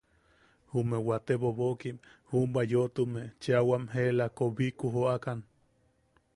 Jume wate bobokim juʼubwa yoʼotume cheʼa wam ela, koobiku jookan.